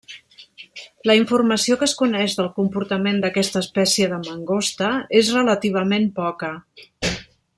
La informació que es coneix del comportament d'aquesta espècie de mangosta és relativament poca.